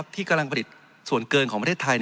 ที่กำลังผลิตส่วนเกินของประเทศไทย